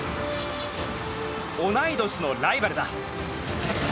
同い年のライバルだ。